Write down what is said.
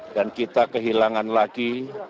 dan kita kehilangan lagi